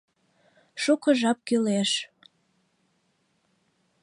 Шуко жап кӱлеш.